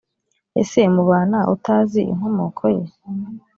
Ese mubana utazi inkomoko ye